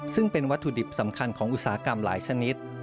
ซึ่งเป็นวัตถุดิบสำคัญของอุตสาหกรรมหลายชนิด